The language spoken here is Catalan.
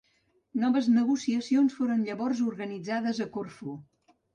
Noves negociacions foren llavors organitzades a Corfú.